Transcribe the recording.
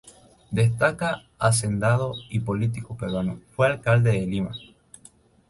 Destacado hacendado y político peruano, fue Alcalde de Lima.